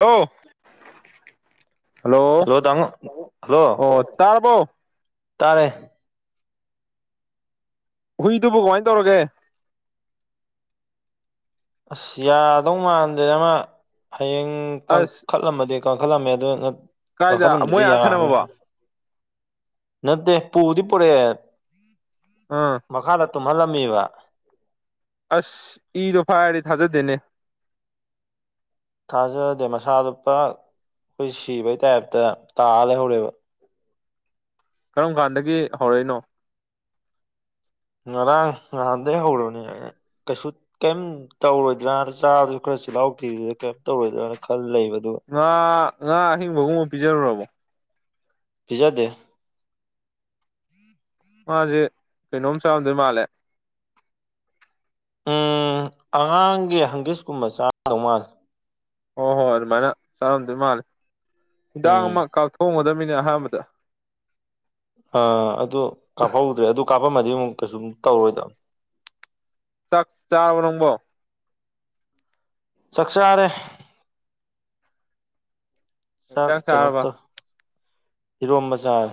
Hello hello hello ꯑꯣ ꯇꯥꯔꯕꯣ ꯇꯥꯔꯦ ꯍꯨꯏꯗꯨꯕꯨ ꯀꯃꯥꯏꯅ ꯇꯧꯔꯒꯦ ꯑꯁ ꯌꯥꯗꯧ ꯃꯥꯟꯗ꯭ꯔꯦ ꯑꯃ ꯍꯌꯦꯡ ꯑꯁ ꯀꯪꯈꯠꯂꯝꯃꯗꯤ ꯀꯪꯈꯠꯂꯝꯃꯦ ꯑꯗꯨ ꯀꯥꯏꯗ ꯀꯪꯈꯠꯂꯝꯗꯔꯗꯤ ꯃꯣꯏ ꯑꯥ ꯌꯥꯔꯕꯣꯏꯅ ꯊꯅꯝꯃꯕ ꯍꯥꯏ ꯅꯠꯇꯦ ꯄꯨꯗꯤ ꯄꯨꯔꯛꯑꯦ ꯑꯥ ꯃꯈꯥꯗ ꯇꯨꯝꯍꯜꯂꯝꯃꯤꯕ ꯑꯁ ꯏꯗꯣ ꯐꯥꯏꯔꯗꯤ ꯊꯥꯖꯗꯦꯅꯦ ꯊꯥꯖꯗꯦ ꯃꯁꯥꯗꯣ ꯄꯨꯔꯥ ꯑꯩꯈꯣꯏ ꯁꯤꯕꯩ ꯇꯥꯏꯞꯇꯥ ꯇꯥꯂꯩꯍꯧꯔꯦꯕ ꯀꯔꯝ ꯀꯥꯟꯗꯒꯤ ꯍꯧꯔꯛꯏꯅꯣ ꯉꯔꯥꯡ ꯉꯍꯥꯟꯗꯩ ꯍꯧꯔꯕꯥꯅꯦ ꯀꯩꯁꯨ ꯀꯔꯤꯝ ꯇꯧꯔꯣꯏꯗ꯭ꯔꯅ ꯆꯥꯕꯁꯨ ꯈꯔ ꯆꯤꯜꯍꯥꯎ ꯊꯤꯕꯗꯨꯗ ꯀꯔꯤꯝ ꯇꯧꯔꯣꯏꯗ꯭ꯔꯅ ꯈꯜ ꯂꯩꯕꯅꯦ ꯑꯗꯨꯒꯥ ꯉꯥ ꯉꯥ ꯑꯍꯤꯡꯕꯒꯨꯝꯕ ꯄꯤꯖꯔꯨꯕꯥꯔꯣ ꯄꯤꯖꯗꯦ ꯃꯥꯁꯦ ꯀꯩꯅꯣꯝ ꯆꯥꯝꯗꯣꯏ ꯃꯥꯜꯂꯦ ꯎꯝ ꯑꯉꯥꯡꯒꯤ ꯍꯪꯒꯤꯁꯀꯨꯝꯕ ꯆꯥꯗꯧ ꯃꯥꯥꯜꯂꯦ ꯍꯣꯏ ꯍꯣꯏ ꯑꯗꯨꯃꯥꯏꯅ ꯆꯥꯔꯝꯗꯣꯏ ꯃꯥꯂꯦ ꯍꯤꯗꯥꯛ ꯎꯝ ꯑꯃ ꯀꯥꯞꯊꯣꯛꯒꯗꯃꯤꯅꯦ ꯑꯍꯥꯟꯕꯗ ꯑꯥ ꯑꯗꯨ ꯀꯥꯞꯍꯧꯗ꯭ꯔꯦ ꯑꯗꯨ ꯀꯥꯞꯐꯝꯃꯗꯤ ꯑꯃꯨꯛ ꯀꯩꯁꯨꯝ ꯇꯧꯔꯣꯏ ꯆꯥꯛ ꯆꯥꯔꯥꯕꯣ ꯅꯪꯕꯣ ꯆꯥꯛ ꯆꯥꯔꯦ ꯆꯥꯛ ꯍꯤꯗꯥꯛ ꯀꯩꯅꯣ ꯆꯥꯔꯕ ꯇꯧ ꯏꯔꯣꯝꯕ ꯆꯥꯔꯦ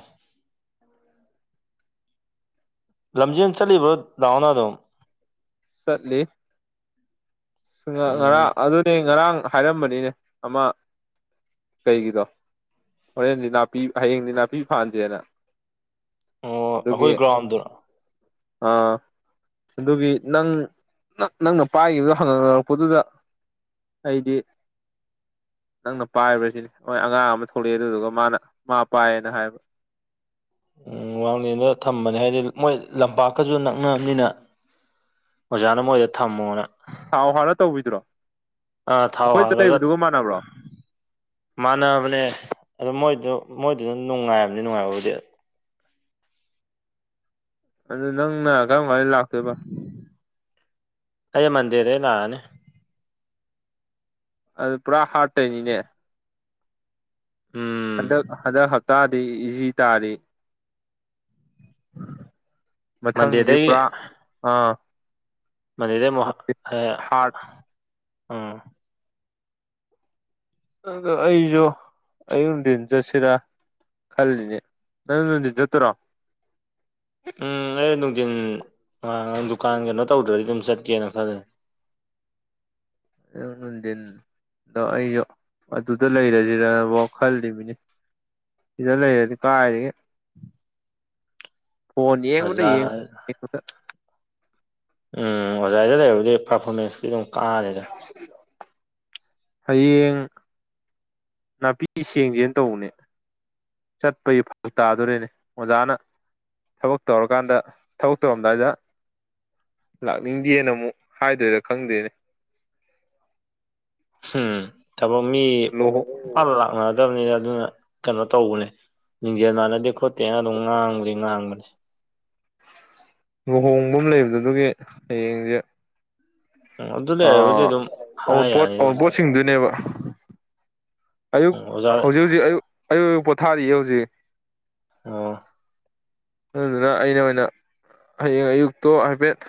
ꯂꯝꯖꯦꯟ ꯆꯠꯂꯤꯕ ꯗꯥꯎꯅꯥꯗꯣ ꯆꯠꯂꯤ ꯎꯝ ꯉꯔꯥꯡ ꯑꯗꯨꯅꯦ ꯉꯔꯥꯡ ꯍꯥꯏꯔꯝꯕꯅꯤꯅꯦ ꯑꯃ ꯀꯩꯒꯤꯗꯣ ꯍꯣꯔꯦꯟꯗꯤ ꯅꯥꯄꯤ ꯍꯌꯦꯡꯗꯤ ꯅꯥꯄꯤ ꯐꯥꯟꯁꯦꯅ ꯑꯣ ꯑꯗꯨꯒꯤ ꯑꯩꯈꯣꯏ ꯒ꯭ꯔꯥꯎꯟꯗꯨꯔꯣ ꯑꯥ ꯑꯗꯨꯒꯤ ꯅꯪ ꯅꯪꯅ ꯄꯥꯏꯈꯤꯕꯗꯣ ꯐꯪꯅꯔꯛꯄꯗꯨꯗ ꯑꯩꯗꯤ ꯅꯪꯅ ꯄꯥꯏꯕꯖꯤꯗꯤ ꯍꯣꯏ ꯑꯉꯥꯡ ꯑꯃ ꯊꯣꯛꯂꯛꯑꯦ ꯑꯗꯨꯗꯨꯒ ꯃꯥꯅ ꯃꯥ ꯄꯥꯏꯌꯦꯅ ꯍꯥꯏꯕ ꯎꯝ ꯋꯥꯡꯂꯦꯟꯗ ꯊꯝꯕꯅꯦ ꯍꯥꯏꯗꯤ ꯃꯣꯏ ꯂꯝꯄꯥꯛꯀꯖꯨ ꯅꯛꯅꯕꯅꯤꯅ ꯑꯣꯖꯥꯅ ꯃꯣꯏꯗ ꯊꯝꯃꯣꯅ ꯊꯥꯎ ꯍꯥꯜꯂ ꯇꯧꯕꯤꯗꯨꯔꯣ ꯑꯥ ꯊꯥꯎ ꯑꯈꯣꯏꯗ ꯍꯥꯜꯂꯒ ꯂꯩꯕꯗꯨꯒ ꯃꯥꯟꯅꯕ꯭ꯔꯣ ꯃꯥꯟꯅꯕꯅꯦ ꯑꯗꯣ ꯃꯣꯏꯗꯨ ꯃꯣꯏꯗꯨꯅ ꯅꯨꯡꯉꯥꯏꯕꯅꯤ ꯅꯨꯡꯉꯥꯏꯕꯕꯨꯗꯤ ꯑꯗꯨ ꯅꯪꯅ ꯀꯔꯝ ꯃꯥꯏꯅ ꯂꯥꯛꯇꯣꯏꯕ ꯑꯩ ꯃꯟꯗ‌ꯦꯗꯩ ꯂꯥꯛꯑꯅꯤ ꯑꯗꯨ ꯄꯨꯔꯥ ꯍꯥꯔ꯭ꯠꯇꯩꯅꯤꯅꯦ ꯎꯝ ꯍꯟꯗꯛ ꯍꯟꯗꯛ ꯍꯞꯇꯥꯗꯤ ꯏꯖꯤ ꯇꯥꯔꯤ ꯃꯊꯪꯗꯤ ꯃꯟꯗꯦꯗꯒꯤ ꯄꯨꯔꯥ ꯑꯥ ꯃꯟꯗ‌ꯦꯗꯩ ꯑꯃꫭꯛ ꯍꯌ‌ꯦꯡ ꯍꯥꯔꯠ ꯎꯝ ꯑꯗꯨ ꯑꯩꯖꯨ ꯑꯌꯨꯛ ꯅꯨꯡꯗꯤꯟ ꯆꯠꯁꯤꯔ ꯀꯜꯂꯤꯅꯦ ꯅꯪꯗꯤ ꯅꯨꯡꯗꯤꯟ ꯆꯠꯇꫭꯏꯔꫭ ꯎꯝ ꯑꯩ ꯅꯨꯡꯗꯤꯟ ꯑꯥ ꯗꯨꯀꯥꯟ ꯀꯩꯅꯣ ꯇꯧꯗ꯭ꯔꯗꯤ ꯑꯗꯨꯝ ꯆꯠꯀꯦꯅ ꯈꯜꯂꯦ ꯑꯌꯨꯛ ꯅꯨꯡꯗꯤꯟ ꯑꯗꯣ ꯑꯩꯖꯨ ꯑꯗꯨꯗ ꯂꯩꯔꯖꯤꯔꯕꯥꯎ ꯈꯜꯂꯤꯝꯃꯤꯅ‌ꯦ ꯁꯤꯗ ꯂꯩꯔꯗꯤ ꯀꯥꯏꯗꯒꯤ ꯐꯣꯟ ꯌꯦꯡꯕꯗ ꯑꯣꯖꯥ ꯌꯦꯡ ꯌꯦꯡꯕꯗ ꯎꯝ ꯍꯣꯖꯥꯏꯗ ꯂꯩꯔꯕꯨꯗꯤ ꯄ꯭ꯔꯐꯣꯃꯦꯟꯁꯇꯤ ꯑꯗꯨꯝ ꯀꯥꯅꯤꯗꯥ ꯍꯌꯦꯡ ꯅꯥꯄꯤ ꯁꯦꯡꯖꯦꯅ ꯇꯧꯕꯅꯦ ꯆꯠꯄꯩ ꯐꯔꯛ ꯇꯥꯗꯣꯔꯦꯅꯦ ꯑꯣꯖꯥꯅ ꯊꯕꯛ ꯇꯧꯔꯀꯥꯟꯗ ꯊꯕꯛ ꯇꯧꯔꯝꯗꯥꯏꯗ ꯂꯥꯛꯅꯤꯡꯗꯦꯅ ꯑꯃꯨꯛ ꯍꯥꯏꯗꯣꯏꯔ ꯈꯪꯗ‌ꯦꯅꯦ ꯎꯝ ꯊꯕꯛ ꯃꯤ ꯂꯨꯍꯣꯡ ꯄꯥꯛ ꯂꯥꯛꯅꯗꯝꯅꯤꯅ ꯑꯗꯨꯅ ꯀꯩꯅꯣ ꯇꯧꯕꯅꯦ ꯂꯤꯡꯖꯦꯟ ꯃꯥꯟꯅꯗꯦ‌ ꯈꫭꯠ ꯇꯦꯅ ꯑꯗꯨꯝ ꯉꯥꯡꯕꯗꯤ ꯉꯥꯡꯕꯅꯤ ꯂꯨꯍꯣꯡꯕ ꯑꯃ ꯂꯩꯕꯗꯣ ꯑꯗꯨꯒꯤ ꯍꯌꯦꯡꯖꯦ ꯑꯣ ꯑꯗꯨꯠ ꯑꯥ ꯑꯋꯨꯟꯄꯣꯠ ꯑꯋꯨꯟꯄꯣꯠ ꯁꯤꯡꯗꯨꯏꯅꯦꯕ ꯑꯣꯖꯥꯗ ꯑꯌꯨꯛ ꯎꯝ ꯑꯣꯖꯥ ꯍꯧꯖꯤꯛ ꯍꯧꯖꯤꯛ ꯑꯌꯨꯛ ꯑꯌꯨꯛ ꯑꯌꯨꯛ ꯄꯣꯊꯥꯔꯤꯌꯦ ꯍꯧꯖꯤꯛ ꯑꯣ ꯑꯗꯨꯗꯨꯅ ꯑꯩꯅ ꯑꯣꯏꯅ ꯍꯌꯦꯡ ꯑꯌꯨꯛꯇꯣ ꯍꯥꯏꯐꯦꯠ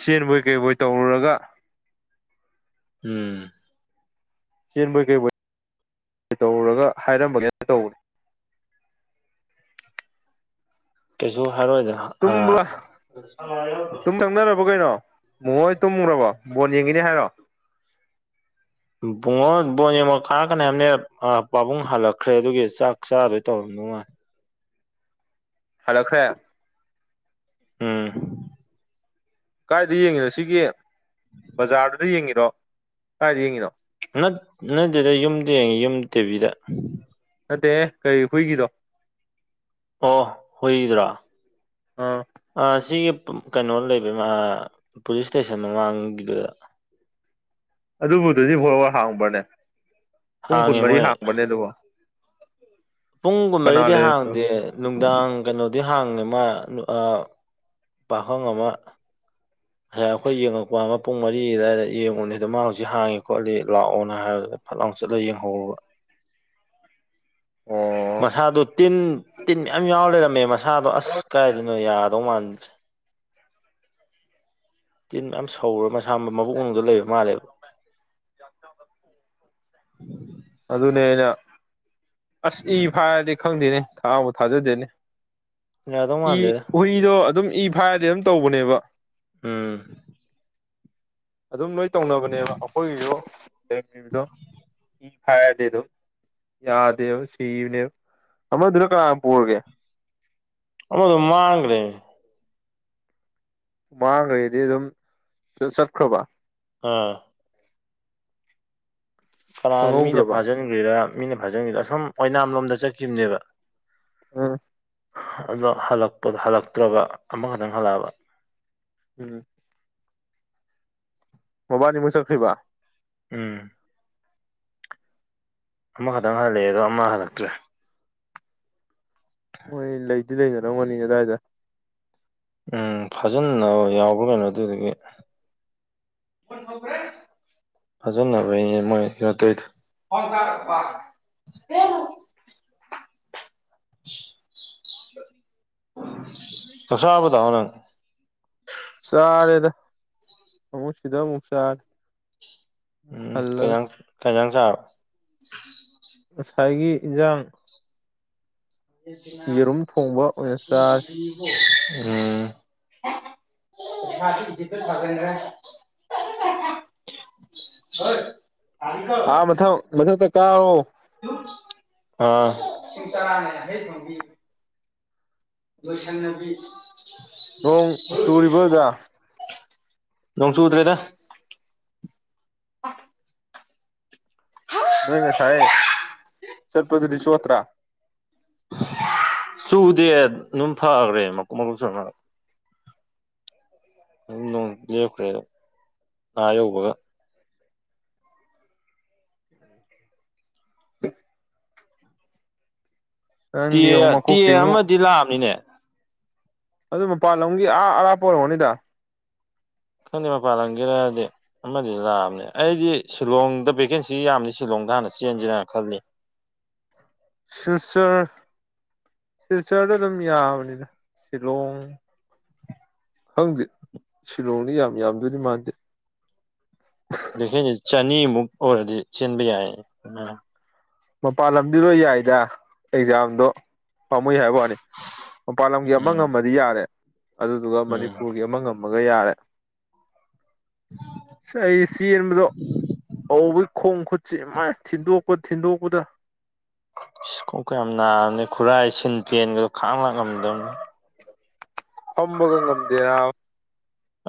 ꯆꯦꯟꯕꯣꯏ ꯀꯩꯕꯣꯏ ꯇꯧꯔꯨꯔꯒ ꯎꯝ ꯆꯦꯟꯕꯣꯏ ꯀꯩꯕꫭꯏ ꯇꯧꯔꯨꯔꯒ ꯍꯥꯏꯔꯝꯃꯒꯦ ꯀꯩꯁꯨ ꯍꯥꯏꯔꯛꯑꫭꯏꯗ ꯇꯨꯝꯕ ꯇꯨꯝ ꯆꯪꯅꯔꯕꯣ ꯀꯩꯅꯣ ꯃꯨꯍꯣꯏ ꯇꯨꯝꯒ꯭ꯔꯕꯣ ꯕꯣꯟ ꯌꯦꯡꯉꯤꯅꯤ ꯍꯥꯏꯔꯣ ꯕꯨꯡꯉꯣ ꯕꯣꯟ ꯌꯦꯡꯕ ꯈꯥꯔꯛꯀꯅꯤ ꯍꯥꯏꯕꯅꯦ ꯑ ꯄꯥꯕꯨꯡ ꯍꯜꯂꯛꯈ꯭ꯔꯦ ꯑꯗꯨꯒꯤ ꯆꯥꯛ ꯆꯥꯗꯣꯏ ꯇꯧꯔꯝꯗꯧ ꯃꯥꯜꯂ‌ꯦ ꯍꯜꯂꯛꯈ꯭ꯔ‌ꯦ ꯎꯝ ꯀꯥꯏꯗ ꯌꯦꯡꯉꯤꯅꯣ ꯁꯤꯒꯤ ꯕꯖꯥꯔꯗꯨꯗ ꯌꯦꯡꯉꯤꯔꯣ ꯀꯥꯏꯗ ꯌꯦꯡꯉꯤꯅꯣ ꯅꯠ ꯅꯠꯇꯦꯗ ꯌꯨꯝꯗ ꯌꯦꯡꯉꯤ ꯌꯨꯝ ꯇꯤꯕꯤꯗ ꯅꯠꯇꯦꯍꯦ ꯀꯔꯤ ꯍꯨꯏꯒꯤꯗꯣ ꯑꯣ ꯍꯨꯏꯒꯤꯗꯨꯔꯣ ꯑꯥ ꯑ ꯁꯤꯒꯤ ꯀꯩꯅꯣ ꯂꯩꯕ ꯃꯥ ꯄꯨꯂꯤꯁ ꯏꯁꯇꯦꯁꯟ ꯃꯃꯥꯡꯒꯤꯗꯨꯗ ꯑꯗꯨꯕꯨ ꯇ꯭ꯋꯦꯟꯇꯤ ꯐꯣꯔ ꯑꯋꯥꯔ ꯍꯥꯡꯕ꯭ꯔꯅꯦ ꯄꯨꯡ ꯍꯥꯡꯉꯦ ꯀꯨꯟꯃꯔꯤ ꯃꯣꯏ ꯍꯥꯡꯕ꯭ꯔꯅꯦ ꯑꯗꯨꯕꯣ ꯄꯨꯡ ꯀꯅꯥ ꯀꯨꯟꯃꯔꯤꯗꯤ ꯂꯩꯔꯝꯃꯤꯅꯣ ꯍꯥꯡꯗꯦ ꯅꯨꯡꯗꯥꯡ ꯀꯩꯅꯣꯗꯤ ꯍꯥꯡꯉꯦ ꯃꯥ ꯑꯥ ꯄꯥꯈꯪ ꯑꯃ꯫ ꯉꯁꯥꯏ ꯑꯈꯣꯏ ꯌꯦꯡꯉꯛꯄ ꯑꯃ ꯄꯨꯡ ꯃꯔꯤ ꯑꯗꯨꯋꯥꯏꯗ ꯌꯦꯡꯉꯨꯅꯦꯗ ꯃꯥ ꯍꯧꯖꯤꯛ ꯍꯥꯡꯉꯤ ꯈꯣꯠꯂꯤ ꯂꯥꯛꯑꯣꯅ ꯍꯥꯏꯕꯗꯨꯗ꯫ ꯐꯠ ꯂꯥꯎ ꯆꯠꯂꯒ ꯌꯦꯡꯍꯧꯕ꯫ ꯫ ꯃꯁꯥꯗꫭ ꯇꯤꯟ ꯇꯤꯟ ꯃꯌꯥꯝ ꯌꯥꯎꯔ ꯂꯩꯔꯝꯃꯦ ꯃꯁꯥꯗꯣ ꯑꯁ ꯀꯥꯏꯗꯩꯅꯣ ꯌꯥ꯫ ꯇꯧꯃꯥꯟ ꯇꯤꯟ ꯃꯌꯥꯝ ꯁꯧꯔ ꯃꯁꯥ ꯃꯕꯨꯛ ꯃꯅꯨꯡꯗ ꯂꯩꯕ ꯃꯥꯜꯂꯦꯕ꯫ ꯑꯗꯨꯅ‌ꯦ ꯑꯩꯅ꯫ ꯑꯁ ꯏ ꯐꯥꯏꯔꯗꯤ ꯈꯪꯗꯦꯅꯦ ꯊꯥꯕꯨ ꯊꯥꯖꯗꯦꯅꯦ꯫ ꯌꯥꯗꯧ ꯏ ꯃꯥꯟꯗꯦꯗ ꯍꯨꯏꯗꯣ ꯑꯗꯨꯝ ꯏ ꯐꯥꯔꯗꯤ ꯑꯗꯨꯝ ꯇꯧꯕꯅꯦꯕ ꯎꯝ ꯑꯗꯨꯝ ꯂꯣꯏ ꯇꯧꯅꯕꯅꯦꯕ ꯑꯩꯈꯣꯏꯒꯤꯁꯨ ꯦꯡꯣ ꯐꯔꯗꯦꯗꯣ ꯌꯥꯗꯦꯕ ꯁꯤꯕꯅꯦꯕ ꯑꯃꯗꯨꯅ ꯀꯝꯄꯔꯒꯦ ꯍ ꯑꯗꯨ ꯃꯥꯥꯡꯒꯨꯔꯦ ꯃꯥꯡꯈꯩꯗꯤ ꯑꯗꯨꯝ ꯆꯠꯈ꯭ꯔꯕ ꯑꯥ ꯀꯅꯥ ꯃꯤꯅ ꯈꯪꯍꯧꯗ꯭ꯔꯕ ꯐꯥꯖꯤꯟꯈ꯭ꯔꯤꯔꯥ ꯃꯤꯅ ꯐꯥꯖꯤꯟꯈ꯭ꯔꯤꯗ ꯑꯁꯨꯝ ꯑꯣꯏꯅꯥꯝ ꯂꯣꯝꯗ ꯆꯠꯈꯤꯕꯅꯦꯕ ꯑ ꯑꯗꯣ ꯍꯜꯂꯛꯄꯗ ꯍꯜꯂꯛꯇ꯭ꯔꯕ ꯑꯃꯈꯛꯇꯪ ꯍꯜꯂꯛꯑꯕ ꯎꯝ ꯃꯕꯥꯅꯤꯨꯛ ꯆꯠꯈ꯭ꯈꯤꯕ ꯎꯝ ꯑꯃꯈꯛꯇꯪ ꯍꯜꯂꯛꯑꯦ ꯑꯗꯣ ꯑꯃ ꯍꯜꯂꯛꯇ꯭ꯔꯦ ꯍꯣꯏ ꯂꯩꯗꯤ ꯂꯩꯅꯔꯝꯒꯅꯤ ꯑꯗꯨꯗꯥꯋꯥꯏꯗ ꯎꯝ ꯐꯥꯖꯟꯅ ꯌꯥꯎꯕ꯭ꯔꯥ ꯀꯩꯅꯣ ꯑꯗꯨꯗꯒꯤ ꯐꯖꯅꯕꯅꯦ ꯃꯣꯏꯠꯇꯗ ꯀꯁꯥꯕꯗ ꯍꯅ ꯆꯥꯔꯦꯗ ꯑꯃꯨꯛ ꯁꯤꯗ ꯑꯃꯨꯛ ꯆꯥꯔꯦ ꯎꯝ ꯍꯜꯂꯒ ꯀꯩꯌꯥ ꯀꯩꯌꯥꯡ ꯆꯥꯕ ꯉꯁꯥꯏꯒꯤ ꯏꯟꯁꯥꯡ ꯌꯦꯔꯨꯝ ꯊꯣꯡꯕ ꯑꯣꯏꯅ ꯆꯥ ꯎꯝ ꯗꯤꯄ ꯐꯗ꯭ꯔꯦ ꯍꯣꯏ ꯍꯥꯥ ꯃꯊꯪ ꯃꯊꯪ ꯇ ꯀꯥꯣ ꯑꯥ ꯂꯣꯏꯁꯅꯄꯤ ꯅꯣꯡ ꯍ ꯆꯨꯔꯤꯕꯗ ꯅꯣꯡ ꯆꯨꯗ꯭ꯔꯦꯗ ꯅꯣꯏ ꯉꯁꯥꯏꯦ ꯁꯜꯄꯗꯨꯗꯤ ꯁꯣꯇ꯭ꯔꯥ ꯆꯨꯗꯦ ꯑꯗꯨꯝ ꯐꯒ꯭ꯔꯦ ꯃꯀꯨꯞ ꯃꯀꯨꯞ ꯆꯨꯔꯝꯃꯒ ꯑꯗꯨꯝ ꯅꯣꯡ ꯂꯦꯞꯈ꯭ꯔꯦ ꯑꯗꯣ ꯉꯥ ꯌꯧꯕꯒ ꯎꯦ ꯇꯦ ꯅꯪꯗꯤ ꯑꯃꯨꯛ ꯇꯦ ꯃꯀꯣꯛꯇꯤ ꯑꯃꯨꯛ ꯑꯃꯗꯤ ꯂꯥꯛꯑꯃꯤꯅꯦ ꯑꯗꯨ ꯃꯄꯥꯟ ꯂꯝꯝꯒꯤ ꯑꯥ ꯑꯔꯥꯞꯄ ꯑꯣꯏꯔꯝꯃꯣꯅꯤꯗ ꯈꯪꯗꯦ ꯃꯄꯥꯟ ꯂꯝꯪꯒꯦꯔꯗꯤ ꯑꯃꯗꯤ ꯂꯥꯛꯑꯅꯦ ꯑꯩꯗꯤ ꯁꯤꯂꯣꯡꯗ ꯚꯦꯀꯦꯟꯁꯤ ꯌꯥꯝꯅꯤ ꯁꯤꯂꯣꯡꯗ ꯍꯥꯟꯅ ꯆꯦꯟꯁꯤꯔꯅ ꯈꯜꯂꯤ ꯁꯤꯜꯆꯔ ꯁꯤꯜꯆꯔꯗ ꯑꯗꯨꯝ ꯌꯥꯕꯅꯤꯅ ꯁꯤꯂꯣꯡ ꯍꯪꯗꯦ ꯁꯤꯂꯣꯡꯗꯤ ꯌꯥꯝ ꯌꯥꯝꯗꯣꯏꯅꯤ ꯃꯥꯟꯗꯦ ꯑ ꯆꯅꯤꯃꯨꯛ ꯑꯣꯏꯔꯗꯤ ꯆꯦꯟꯕ ꯌꯥꯏ ꯃꯄꯥꯟ ꯂꯝꯗꯤꯔꯣꯏ ꯌꯥꯏꯗ ꯑꯦꯛꯖꯥꯝꯗꯣ ꯄꯥꯝꯃꯨꯏ ꯍꯥꯏꯕ ꯋꯥꯅꯤ ꯃꯄꯥꯟ ꯂꯝꯒꯤ ꯑꯃ ꯎꯝ ꯉꯝꯃꯗꯤ ꯌꯥꯔꯦ ꯑꯗꯨꯗꯨꯒ ꯎꯝ ꯃꯅꯤꯄꯨꯔꯒꯤ ꯑꯃ ꯉꯝ ꯃꯒꯌꯥꯔꯦ ꯁ ꯑꯩꯗꯤ ꯆꯦꯟꯕꯗꯣ ꯍꯧꯕꯩ ꯈꯣꯡ ꯈꯨꯠꯁꯦ ꯃꯥꯥꯏ ꯊꯤꯟꯗꯣꯛꯄ ꯊꯤꯟꯗꯣꯛꯄꯗ ꯏꯁ ꯀꯣꯀ ꯌꯥꯝ ꯅꯥꯕꯅꯤ ꯈꯨꯔꯥꯏ ꯁꯤꯟ ꯄꯦꯟꯒꯗꯣ ꯈꯥꯡ ꯂꯥꯛꯉꯝꯗꯕꯅꯤ ꯐꯝꯕꯒ ꯉꯝꯗꯦꯔꯥ ꯅꯥꯕ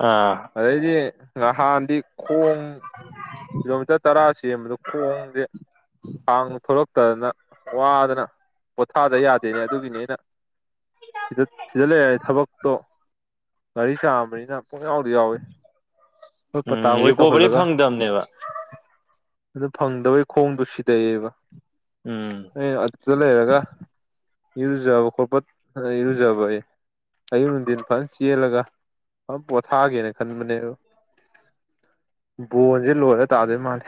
ꯑꯥ ꯑꯗꯩꯗꯤ ꯉꯍꯥꯟꯗꯤ ꯈꯣꯡ ꯀꯤꯂꯣꯃꯤꯇꯔ ꯇꯔꯥ ꯆꯦꯟꯕꯗꯣ ꯈꯣꯡꯁꯦ ꯊꯥꯡ ꯊꯣꯛꯂꯛꯇꯗꯅ ꯋꯥꯗꯅ ꯄꯣꯊꯥꯗ ꯌꯥꯗꯦꯅꯦ ꯑꯗꯨꯒꯤꯅꯦ ꯑꯩꯅ ꯁꯤꯗ ꯁꯤꯗ ꯂꯩꯔꯦ ꯊꯕꯛꯇꯣ ꯒꯥꯔꯤ ꯆꯥꯝꯕꯅꯤꯅ ꯄꯨꯡ ꯌꯥꯎꯗꯤ ꯌꯥꯎꯋꯤ ꯍꯣꯏ ꯄꯇꯥ ꯎꯝ ꯍꯣꯏ ꯔꯤꯀꯣꯕꯔꯤ ꯇꯧꯍꯜꯂꯒ ꯐꯪꯗꯕꯅꯦꯕ ꯑꯗꯨ ꯐꯪꯗꯕꯩ ꯈꯣꯡꯗꯨ ꯁꯤꯗꯩꯑꯕ ꯎꯝ ꯑꯦ ꯑꯗꯨꯗ ꯂꯩꯔꯒ ꯏꯔꯨꯖꯕ ꯈꯣꯠꯄ ꯏꯔꯨꯖꯕ ꯑꯦ ꯑꯌꯨꯛ ꯅꯨꯡꯊꯤꯟ ꯐꯖ ꯆꯦꯜꯂꯒ ꯐꯖꯟ ꯄꯣꯊꯥꯒꯦꯅ ꯈꯟꯕꯅꯦ ꯑꯗꯨ ꯕꯣꯟꯁꯦ ꯂꯣꯏꯔ ꯇꯥꯗꯣꯏ ꯃꯥꯜꯂꯦ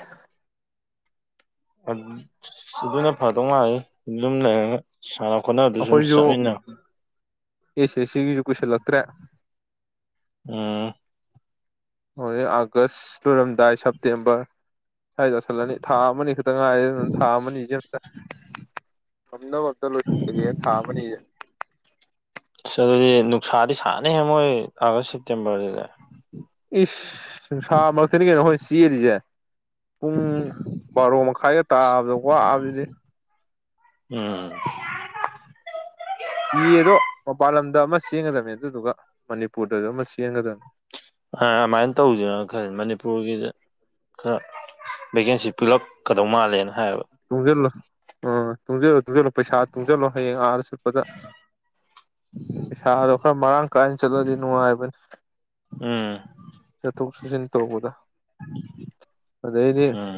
ꯑꯗ ꯑꯗꯨꯅ ꯐꯗꯧꯃꯥꯂꯦ ꯌꯨꯝ ꯂꯩꯔꯒ ꯁꯥꯟꯅ ꯈꯣꯠꯅꯕꯗꯨꯁꯨ ꯁꯨꯝ ꯑꯩꯈꯣꯏꯁꯨ ꯆꯠꯃꯤꯟꯅꯕ ꯑꯦꯁ ꯑꯦꯁ ꯁꯤꯒꯤꯁꯨ ꯀꯨꯢꯁꯤꯜꯂꯛꯇ꯭ꯔꯦ ꯎꯝ ꯍꯧꯖꯤ ꯑꯥꯒꯁ ꯂꯣꯏꯔꯝꯗꯥꯏ ꯁꯦꯞꯇꯦꯝꯕꯔ ꯁ꯭ꯋꯥꯏ ꯇꯧꯁꯤꯜꯂꯅꯤ ꯊꯥ ꯑꯃꯅꯤ ꯈꯛꯇ ꯉꯥꯏꯔꯦ ꯑꯗꯨꯅ ꯊꯥ ꯑꯃꯅꯤꯁꯦ ꯑꯝꯇ ꯉꯝꯅꯕ ꯑꯝꯇ ꯂꯣꯢ ꯊꯥ ꯑꯃꯅꯤꯁꯦ ꯑꯁ ꯑꯗꯨꯗꯤ ꯅꯨꯡꯁꯥꯗꯤ ꯁꯥꯥꯅꯤꯍꯦ ꯃꯣꯏ ꯑꯥꯒꯁ ꯁꯦꯞꯇꯦꯝꯕꯔꯁꯤꯗ ꯏꯁ ꯅꯨꯡꯁꯥ ꯃꯔꯛꯇꯅꯤ ꯀꯩꯅꯣ ꯑꯈꯣꯏꯅ ꯆꯦꯜꯂꯤꯁꯦ ꯄꯨꯡ ꯕꯥꯔꯣ ꯃꯈꯥꯏꯒ ꯇꯥꯕꯗ ꯋꯥꯕꯁꯤꯗꯤ ꯎꯝ ꯇꯤ ꯑꯦꯗꯣ ꯃꯄꯥꯟ ꯂꯝꯗ ꯑꯃ ꯆꯦꯟꯒꯗꯝꯅꯤ ꯑꯗꯨꯗꯨꯒ ꯃꯅꯤꯄꯨꯔꯗꯁꯨ ꯑꯃ ꯆꯦꯟꯒꯗꯝꯅꯤ ꯑ ꯑꯗꯨꯃꯥꯏꯅ ꯇꯧꯁꯤꯔꯅ ꯈꯜ ꯃꯅꯤꯄꯨꯔꯒꯤꯗ ꯈꯔ ꯚꯦꯀꯦꯟꯁꯤ ꯄꯤꯛꯂꯞ ꯀꯗꯧ ꯃꯥꯜꯂꯦꯅ ꯍꯥꯏꯌꯦꯕ ꯇꯨꯡꯖꯤꯜꯂꯣ ꯑ ꯇꯨꯡꯖꯤꯜꯂꯣ ꯇꯨꯡꯖꯤꯜꯂꯣ ꯄꯩꯁꯥ ꯇꯨꯡꯖꯤꯜꯂꯣ ꯍꯌꯦꯡ ꯑꯥꯗ ꯆꯠꯄꯗ ꯄꯩꯁꯥꯗꯣ ꯈꯔ ꯃꯔꯥꯡ ꯀꯥꯏꯅ ꯆꯠꯂꯗꯤ ꯅꯨꯡꯉꯥꯏꯕꯅꯤ ꯎꯝ ꯆꯊꯣꯛ ꯆꯠꯆꯤꯟ ꯇꯧꯕꯗ ꯑꯗꯩꯗꯤ ꯎꯝ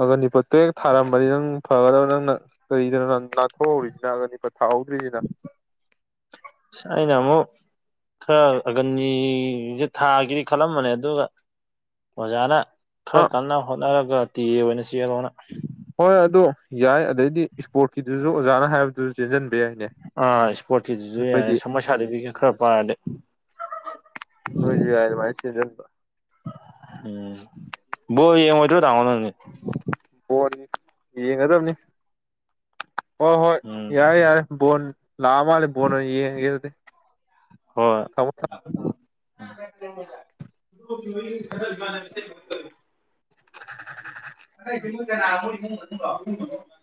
ꯑꯒꯅꯤꯄꯠ ꯇ꯭ꯔꯦꯛ ꯊꯥꯔꯝꯕꯗꯤ ꯅꯪ ꯐꯒꯗꯕ ꯅꯪꯅ ꯀꯔꯤꯗꯅꯣ ꯅꯪ ꯅꯥꯟꯊꯣꯛꯍꯧꯔꯤꯁꯤꯅ ꯑꯒꯅꯤꯄꯠ ꯊꯥꯍꯧꯗ꯭ꯔꯤꯁꯤꯅ ꯑꯩꯅꯥ ꯑꯃꯨꯛ ꯈꯔ ꯑꯒꯟꯅꯤꯁꯦ ꯊꯥꯒꯦꯗꯤ ꯈꯜꯂꯝꯕꯅꯦ ꯑꯗꯨꯒ ꯑꯣꯖꯥꯅ ꯈꯔ ꯑꯥ ꯀꯟꯅ ꯍꯣꯠꯅꯔꯒ ꯇꯦ ꯑꯦ ꯑꯣꯏꯅ ꯆꯦꯜꯂꯣꯅ ꯍꯣꯏ ꯑꯗꯨ ꯌꯥꯏ ꯑꯗꯩꯗꯤ ꯏꯁꯄꯣꯔꯠꯀꯤꯗꯨꯁꯨ ꯑꯣꯖꯥꯅ ꯍꯥꯏꯕꯗꯨꯁꯨ ꯆꯦꯟꯁꯤꯟꯕ ꯌꯥꯏꯅꯦ ꯑꯥ ꯏꯁꯄꯣꯔꯠꯀꯤꯗꯨꯁꯨ ꯅꯣꯏꯗꯤ ꯌꯥꯏ ꯁ ꯃꯣꯢ ꯁꯥꯔꯗꯤꯐꯤꯒꯦꯠ ꯈꯔ ꯄꯥꯢꯔꯗꯤ ꯅꯣꯖꯨꯏ ꯌꯥꯢ ꯑꯗꯨꯃꯥꯏ ꯆꯦꯟꯖꯤꯟꯕ ꯎꯝ ꯕꯣꯜ ꯌꯦꯉꯣꯏꯗ꯭ꯔꯣ ꯇꯥꯃꯣ ꯍꯣꯏꯗꯤ ꯕꯣꯜ ꯌꯦꯡꯒꯗꯝꯅꯤ ꯍꯣꯏ ꯍꯣꯏ ꯎꯝ ꯌꯥꯔꯦ ꯌꯥꯔꯦ ꯕꯣꯟ ꯂꯥꯛꯑꯃꯥꯜꯂꯦ ꯕꯣꯟ ꯑꯣꯏꯅ ꯌꯦꯡꯉꯒꯦ ꯑꯗꯨꯗꯤ ꯍꯣꯏ ꯊꯝꯃꯣ ꯊꯝꯃꯣ [inaudible] [unintelligible]